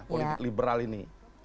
politik liberal ini